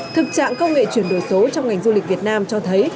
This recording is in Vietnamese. thực trạng công nghệ chuyển đổi số trong ngành du lịch việt nam cho thấy